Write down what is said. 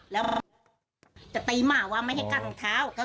แล้วทำตีมากว่าไม่มันก็ถือลองชามเท้า